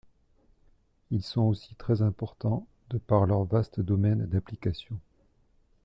Ils sont aussi très importants de par leurs vastes domaines d'application.